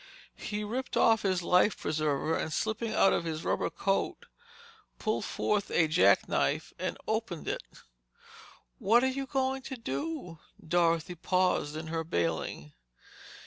He ripped off his life preserver and slipping out of his rubber coat, pulled forth a jack knife and opened it. "What are you going to do?" Dorothy paused in her bailing.